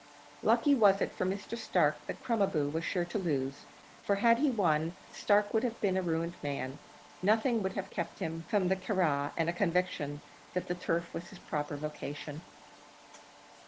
Lucky was it for Mr. Stark that Crom a boo was sure to lose; for had he won, Stark would have been a ruined man; nothing would have kept him from the Curragh and a conviction that the turf was his proper vocation.